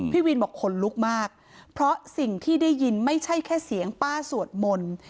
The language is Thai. พี่วินบอกขนลุกมากเพราะสิ่งที่ได้ยินไม่ใช่แค่เสียงป้าสวดมนต์